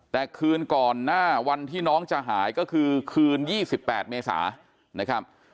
แต่คืนก่อนหน้าวันที่น้องจะหายก็คือคืน๒๘เมษานะครับ